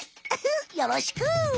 よろしく！